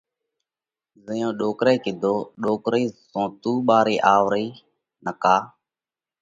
زئيون ڏوڪرئہ ڪيڌو: ڏوڪرئِي زون تُون ٻارئِي آوَ رئِي نڪا